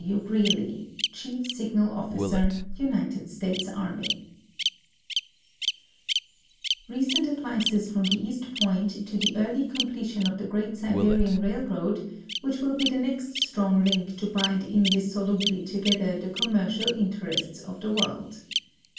W. Ghkkly, Chief Signal Officer, United Stales A rnu/ Recent advices from tlie East point to tlic early completion of the great Siberian railroad, which will be the next strong link to bind indissolul)ly together the commercial interests of the world.